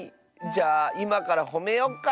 じゃあいまからほめよっか。